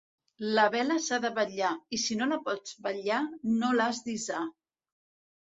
La vela s'ha de vetllar, i si no la pots vetllar, no l'has d'hissar.